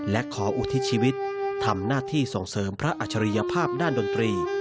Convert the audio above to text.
และขออุทิศชีวิตทำหน้าที่ส่งเสริมพระอัจฉริยภาพด้านดนตรี